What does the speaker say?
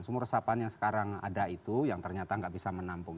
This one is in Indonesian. sumur resapan yang sekarang ada itu yang ternyata nggak bisa menampung